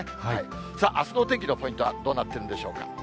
さあ、あすのお天気のポイントはどうなっているんでしょうか。